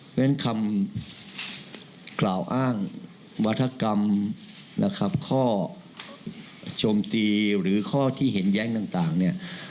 เพราะฉะนั้นคำกล่าวอ้างวัฒกรรมนะครับข้อโจมตีหรือข้อที่เห็นแย้งต่างเนี่ย